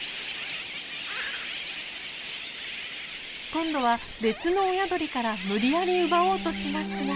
今度は別の親鳥から無理やり奪おうとしますが。